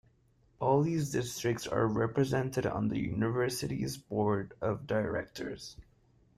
All these districts are represented on the University's Board of Directors.